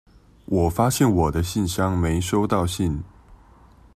我發現我的信箱沒收到信